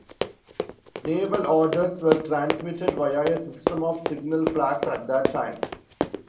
Naval orders were transmitted via a system of signal flags at that time.